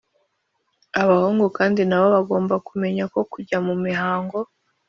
Abahungu kandi na bo bagomba kumenya ko kujya mu mihango